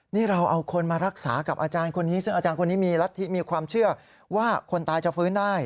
นี่เราเอาคนมารักษากับอาจารย์คนนี้ซึ่งอาจารย์คนนี้มีรัฐธิมีความเชื่อว่าคนตายจะฟื้นได้